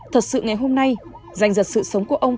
thật sự ngày hôm nay dành giật sự sống của ông